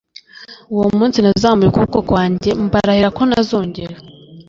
Uwo munsi nazamuye ukuboko kwanjye mbarahira ko ntazongera